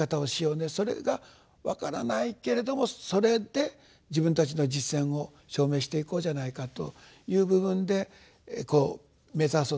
それが分からないけれどもそれで自分たちの実践を証明していこうじゃないかという部分で目指そうとしてる。